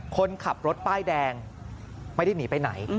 คนขับรถป้ายแดงไม่ได้หนีไปไหน